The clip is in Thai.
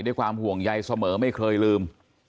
ด้วยความห่วงใยเสมอไม่เคยลืม